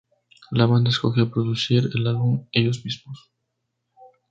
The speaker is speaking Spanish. La banda escogió producir el álbum ellos mismos.